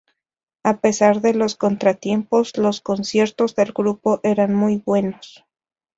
A pesar de los contratiempos, los conciertos del grupo eran muy buenos.